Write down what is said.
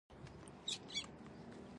د امیر محمد اعظم خان د پاچهۍ دوره لنډه وه.